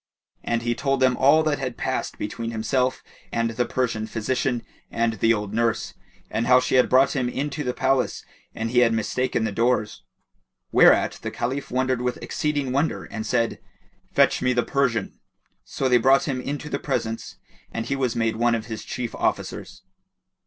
And he told him all that had passed between himself and the Persian physician and the old nurse, and how she had brought him into the palace and he had mistaken the doors; whereat the Caliph wondered with exceeding wonder and said, "Fetch me the Persian." So they brought him into the presence and he was made one of his chief officers.